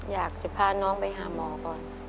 อยากจะพาน้องไปหาหมอก่อน